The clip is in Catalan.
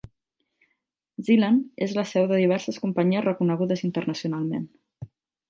Zeeland és la seu de diverses companyies reconegudes internacionalment.